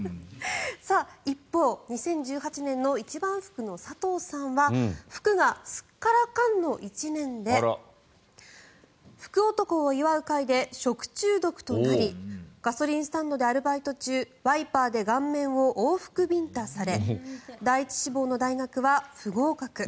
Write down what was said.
一方、２０１８年の一番福の佐藤さんは福がすっからかんの１年で福男を祝う会で食中毒となりガソリンスタンドでアルバイト中ワイパーで顔面を往復ビンタされ第１志望の大学は不合格。